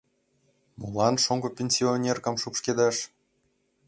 — Молан шоҥго пенсионеркам шупшкедаш?